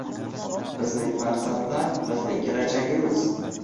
Bizning farzandlar, bizning kelajagimiz.